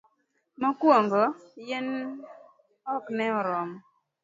mokuongo. yien ok ne oromo